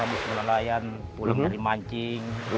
biasa bernelayan pulang dari mancing